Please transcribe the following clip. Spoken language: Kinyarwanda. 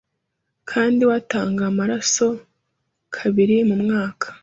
kandi we atanga amaraso kabiri mu mwaka